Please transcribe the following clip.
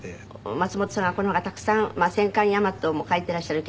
松本さんがこの他たくさん『戦艦ヤマト』も描いていらっしゃるけれども。